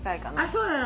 そうなの？